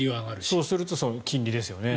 そうすると金利ですよね